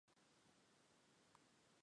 Епиш олмеш пурышо мӱкш отар орол, Якуш.